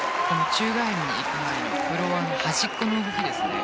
宙返りに行く前のフロアの端っこの動きですね。